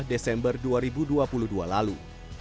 desember dua ribu dua puluh dua lalu